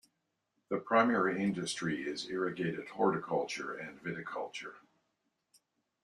The primary industry is irrigated horticulture and viticulture.